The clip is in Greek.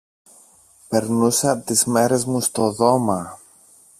Περνούσα τις μέρες μου στο δώμα